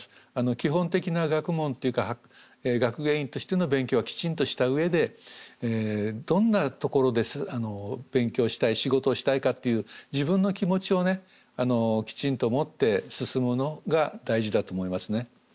基本的な学問というか学芸員としての勉強はきちんとした上でどんなところで勉強したい仕事をしたいかっていう自分の気持ちをねきちんと持って進むのが大事だと思いますね。